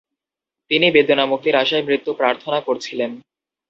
তিনি বেদনামুক্তির আশায় মৃত্যু প্রার্থনা করছিলেন।